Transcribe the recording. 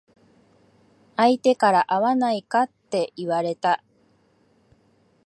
相手から会わないかって言われた。